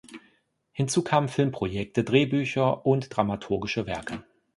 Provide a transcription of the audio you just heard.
Hinzu kamen Filmprojekte, Drehbücher und dramaturgische Werke.